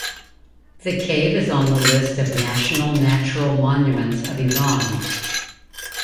The cave is on the list of national natural monuments of Iran.